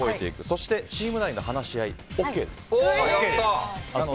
そしてチーム内の話し合いＯＫです。